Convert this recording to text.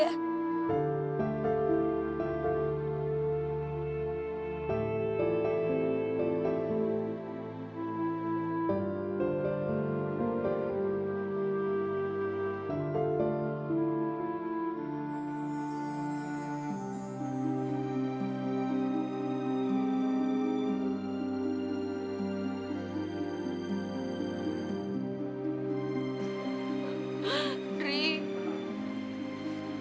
jangan keementsan sama lagu